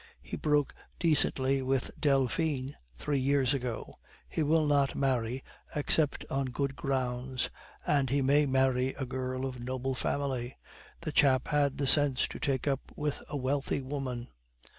He broke decently with Delphine three years ago; he will not marry except on good grounds; and he may marry a girl of noble family. The chap had the sense to take up with a wealthy woman."